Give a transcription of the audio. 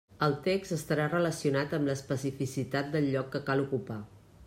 El text estarà relacionat amb l'especificitat del lloc que cal ocupar.